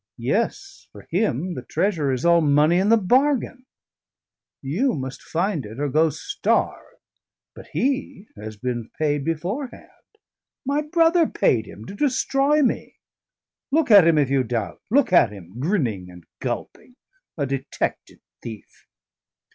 Yes, for him the treasure is all money in the bargain. You must find it or go starve. But he has been paid beforehand; my brother paid him to destroy me; look at him if you doubt look at him, grinning and gulping, a detected thief!"